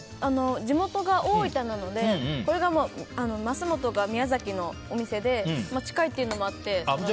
地元が大分なので、桝元が宮崎のお店で近いというのもあって。